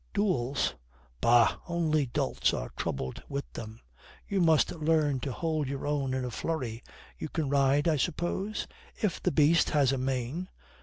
"Duels bah, only dolts are troubled with them. You must learn to hold your own in a flurry. You can ride, I suppose?" "If the beast has a mane."